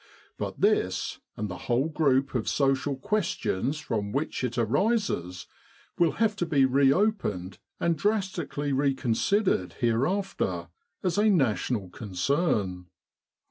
But this, and the whole group of social questions from which it arises, will have to be reopened and dras tically reconsidered hereafter, as a national concern.